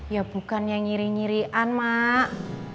ya bukannya ngiri ngirian mak